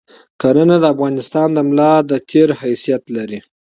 کرهنه د افغانستان د ملاتیر حیثیت لری